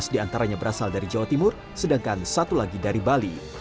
lima belas di antaranya berasal dari jawa timur sedangkan satu lagi dari bali